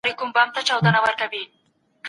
علم انسان ته معنوي ځواک وربخښي.